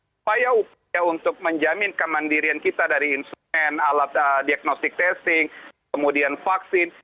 upaya upaya untuk menjamin kemandirian kita dari instrumen alat diagnostic testing kemudian vaksin